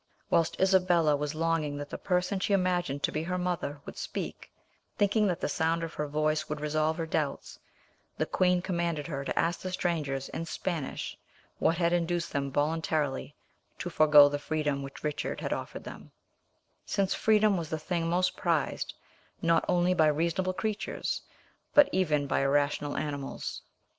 Whilst Isabella was longing that the person she imagined to be her mother would speak, thinking that the sound of her voice would resolve her doubts, the queen commanded her to ask the strangers in Spanish what had induced them voluntarily to forego the freedom which Richard had offered them, since freedom was the thing most prized, not only by reasonable creatures, but even by irrational animals.